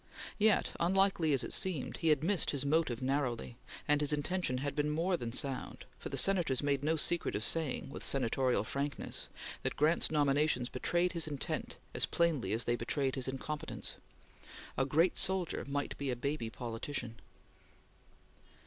Yet, unlikely as it seemed, he had missed his motive narrowly, and his intention had been more than sound, for the Senators made no secret of saying with senatorial frankness that Grant's nominations betrayed his intent as plainly as they betrayed his incompetence. A great soldier might be a baby politician.